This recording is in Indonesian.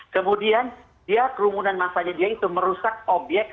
kemudian dia kerumunan masanya dia itu merusak obyek